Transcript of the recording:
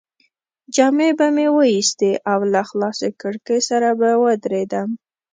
جامې به مې وایستې او له خلاصې کړکۍ سره به ودرېدم.